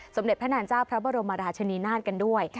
สมเด็จพระนางเจ้าพระบรมราชนีนาฏกันด้วย